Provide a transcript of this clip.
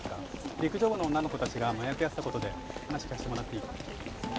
陸上部の女の子達が麻薬やってたことで話聞かせてもらっていい？